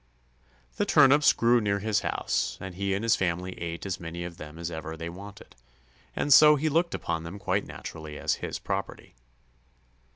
The turnips grew near his house, and he and his family ate as many of them as ever they wanted, and so he looked upon them quite naturally as his property.